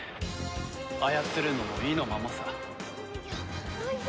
操るのも意のままさ。